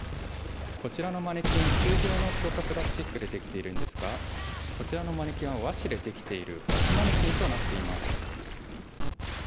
こちらのマネキン通常の強化プラスチックでできているんですがこちらのマネキンは和紙でできているは和紙マネキンとなっています。